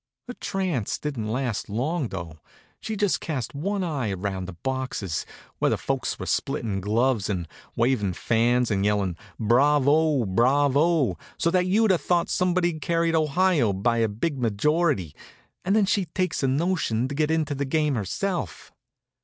Her trance didn't last long, though. She just cast one eye around the boxes, where the folks were splittin' gloves and wavin' fans and yellin' "Bravo! Bravo!" so that you'd 'a thought somebody'd carried Ohio by a big majority, and then she takes a notion to get into the game herself.